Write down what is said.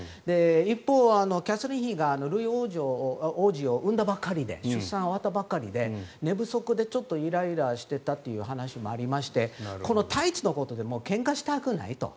一方、キャサリン妃がルイ王子を生んだばかりで出産が終わったばかりで寝不足でイライラしていたという話もありましてこのタイツのことでもうけんかしたくないと。